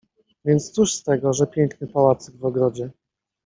Więc cóż z tego, że piękny pałacyk w ogrodzie?